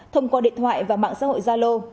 thông qua điện thoại và mạng xã hội zalo